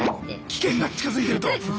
危険が近づいてると。